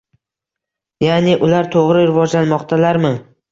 ya’ni: “Ular to‘g‘ri rivojlanmoqdalarmi?